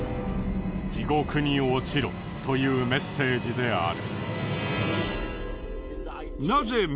地獄に落ちろというメッセージである。